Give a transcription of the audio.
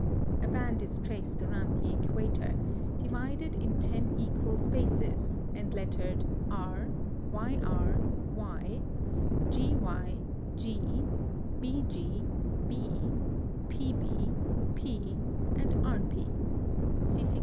(112) A band is traced around the equator, divided in ten equal spaces, and lettered R, YR, Y, GY, G, BG, B, PB, P, and RP (see Fig.